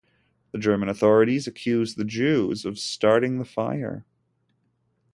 The German authorities accused the Jews of starting the fire.